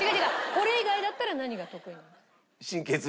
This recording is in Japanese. これ以外だったら何が得意なんですか？